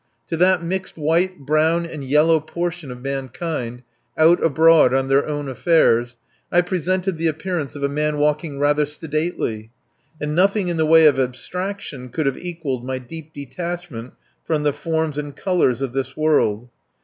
To that mixed white, brown, and yellow portion of mankind, out abroad on their own affairs, I presented the appearance of a man walking rather sedately. And nothing in the way of abstraction could have equalled my deep detachment from the forms and colours of this world.